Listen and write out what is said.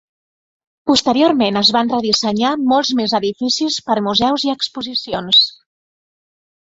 Posteriorment es van redissenyar molts més edificis per museus i exposicions.